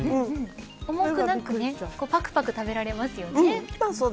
重くなくぱくぱく食べられますよね。